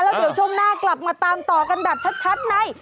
แล้วเดี๋ยวช่วงหน้ากลับมาตามต่อกันแบบชัดใน